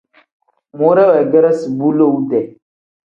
Muure weegeresi bu lowu-dee.